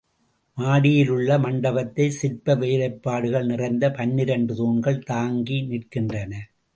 மாடியில் உள்ள மண்டபத்தைச் சிற்ப வேலைப்பாடுகள் நிறைந்த பன்னிரெண்டு தூண்கள் தாங்கி நிற்கின்றன.